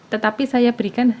tetapi saya berikan